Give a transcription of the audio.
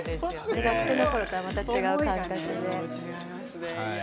そのころとはまた違う感覚でね。